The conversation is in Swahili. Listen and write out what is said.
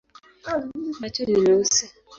Macho ni meusi.